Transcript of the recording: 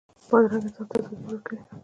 بادرنګ انسان ته تازهګۍ ورکوي.